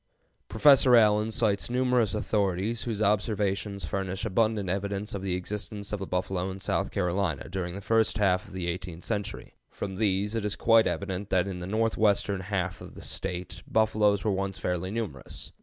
Professor Allen cites numerous authorities, whose observations furnish abundant evidence of the existence of the buffalo in South Carolina during the first half of the eighteenth century. From these it is quite evident that in the northwestern half of the State buffaloes were once fairly numerous.